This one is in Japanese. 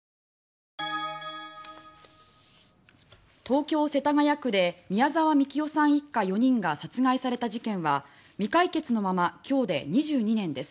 東京・世田谷区で宮沢みきおさん一家４人が殺害された事件は未解決のまま今日で２２年です。